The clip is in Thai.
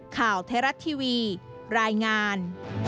ข่าวเทราะห์ทีวีรายงาน